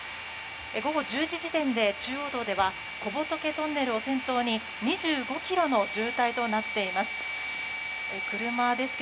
午後１０時時点で中央道では小仏トンネルを先頭に２５ｋｍの渋滞となっています。